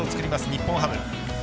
日本ハム。